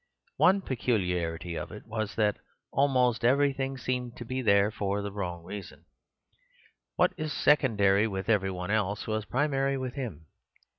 One peculiarity of it was that almost everything seemed to be there for the wrong reason; what is secondary with every one else was primary with him.